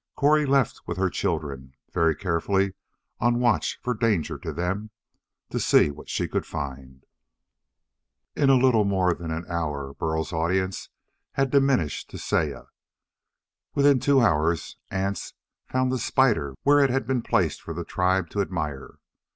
Cori left with her children very carefully on watch for danger to them to see what she could find. In little more than an hour Burl's audience had diminished to Saya. Within two hours ants found the spider where it had been placed for the tribe to admire.